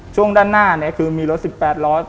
ช่วงด้านหน้ามีรถ๑๘ล้อ